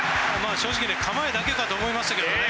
正直ね構えだけかと思いましたけどね。